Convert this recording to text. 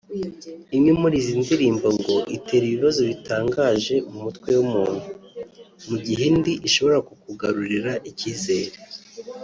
Imwe muri izi ndirimbo ngo itera ibibazo bitangaje mu mutwe w’umuntu mu gihe indi ishobora kukugarurira ikizere